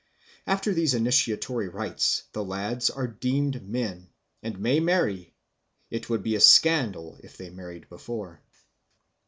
After these initiatory rites the lads are deemed men, and may marry; it would be a scandal if they married before.